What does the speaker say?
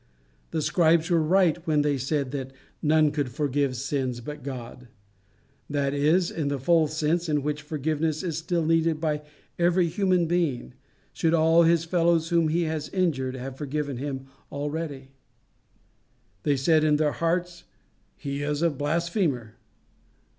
The scribes were right when they said that none could forgive sins but God that is, in the full sense in which forgiveness is still needed by every human being, should all his fellows whom he has injured have forgiven him already. They said in their hearts, "He is a blasphemer."